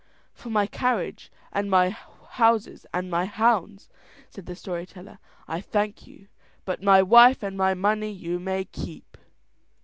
"For my carriage and my houses and my hounds," said the story teller, "I thank you; but my wife and my money you may keep."